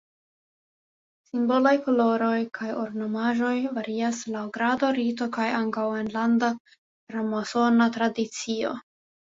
Simbolaj koloroj kaj ornamaĵoj varias laŭ grado, rito kaj ankaŭ enlanda framasona tradicio.